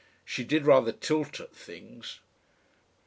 She did rather tilt at things.